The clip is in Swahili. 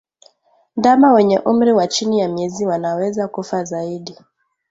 Ndama wenye umri wa chini ya miezi wanaweza kufa zaidi